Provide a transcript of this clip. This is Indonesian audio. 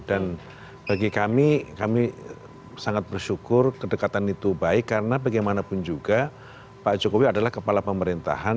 dan bagi kami kami sangat bersyukur kedekatan itu baik karena bagaimanapun juga pak jokowi adalah kepala pemerintahan